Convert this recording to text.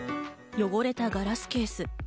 汚れたガラスケース。